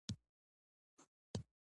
عمرا خان لا دومره غښتلی نه و.